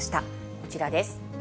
こちらです。